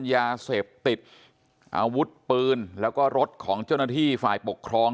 ยาเสพติดอาวุธปืนแล้วก็รถของเจ้าหน้าที่ฝ่ายปกครอง